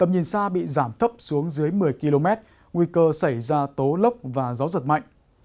giảm thấp xuống dưới một mươi km nguy cơ xảy ra tố lốc và gió giật mạnh